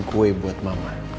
kue buat mama